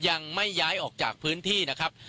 ยังไม่ย้ายออกจากพื้นที่นะครับ